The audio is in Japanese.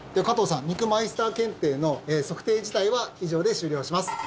加藤さん肉マイスター検定の測定自体は以上で終了します。